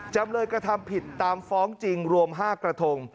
จำเลยกระทำผิดตามฟ้องจริงรวม๕กระทง